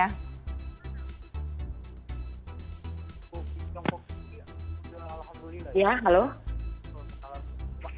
di tiongkok sudah alhamdulillah